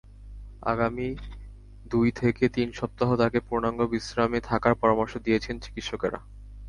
আগামী দুই থেকে তিন সপ্তাহ তাঁকে পূর্ণাঙ্গ বিশ্রামে থাকার পরামর্শ দিয়েছেন চিকিৎসকেরা।